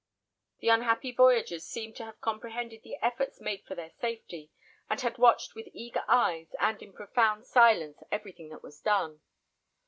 The unhappy voyagers seemed to have comprehended the efforts made for their safety, and had watched with eager eyes and in profound silence everything that was done.